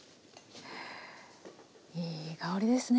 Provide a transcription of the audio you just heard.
いい香りですね